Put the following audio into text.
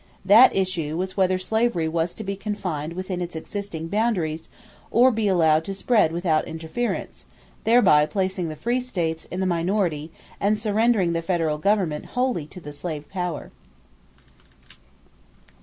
That issue was whether slavery was to be confined within its existing boundaries or be allowed to spread without interference, thereby placing the free states in the minority and surrendering the federal government wholly to the slave power.